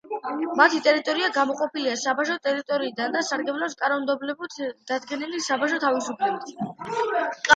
მათი ტერიტორია გამოყოფილია საბაჟო ტერიტორიიდან და სარგებლობს კანონმდებლობით დადგენილი საბაჟო თავისუფლებით.